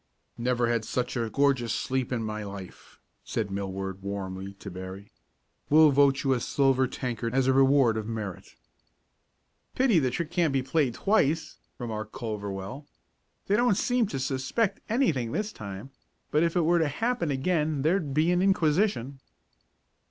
"Never had such a gorgeous sleep in my life," said Millward, warmly, to Berry. "We'll vote you a silver tankard as a reward of merit." "Pity the trick can't be played twice," remarked Culverwell. "They don't seem to suspect anything this time, but if it were to happen again, there'd be an inquisition."